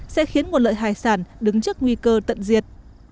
sẽ khiến một lợi hải sản đứng trước nguy cơ tận diệt